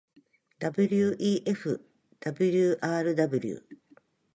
wefwrw